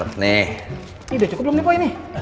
ini udah cukup belum nih boy ini